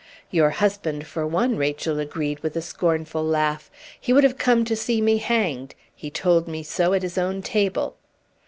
"Your husband, for one!" Rachel agreed, with a scornful laugh. "He would have come to see me hanged; he told me so at his own table."